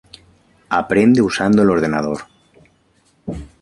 Aprender usando el ordenador.